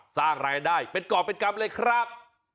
สร้างรายได้เป็นกรอบเป็นกรรมเลยครับ